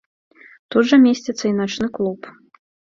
Тут жа месціцца і начны клуб.